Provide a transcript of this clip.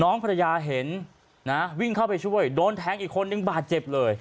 ภรรยาเห็นนะวิ่งเข้าไปช่วยโดนแทงอีกคนนึงบาดเจ็บเลย